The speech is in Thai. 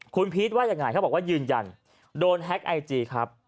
คุณพีชว่ายังไงเขาบอกว่ายืนยันโดนแฮ็กไอจีครับ